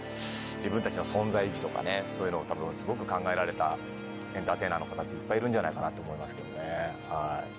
自分たちの存在意義とかねそういうのをすごく考えられたエンターテイナーの方っていっぱいいるんじゃないかなって思いますけどね。